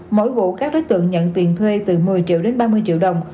mỗi vụ các đối tượng nhận tiền thuê từ một mươi triệu đến ba mươi triệu đồng